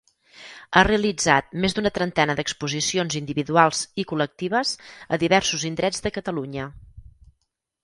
Ha realitzat més d'una trentena d'exposicions individuals i col·lectives a diversos indrets de Catalunya.